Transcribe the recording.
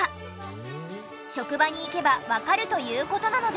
職場に行けばわかるという事なので。